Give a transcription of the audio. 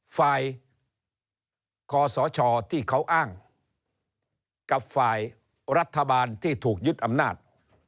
ฝ่ายคศที่เขาอ้างกับฝ่ายรัฐบาลที่ถูกยึดอำนาจ